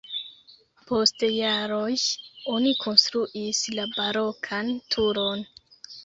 Post jaroj oni konstruis la barokan turon.